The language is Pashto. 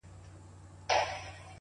• ته به زیارت یې د شهیدانو ,